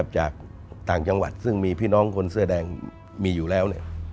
จากต่างจังหวัดซึ่งมีพี่น้องคนเสื้อแดงมีอยู่แล้ว